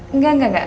enggak enggak enggak